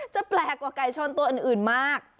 แปลกกว่าไก่ชนตัวอื่นมาก